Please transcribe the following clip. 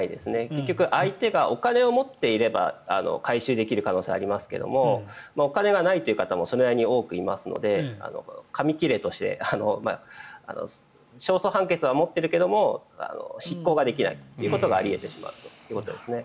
結局、相手がお金を持っていれば回収できる可能性はありますがお金がないという方もそれなりに多くいますので紙切れとして勝訴判決は持っているけども執行ができないということがあり得てしまうということですね。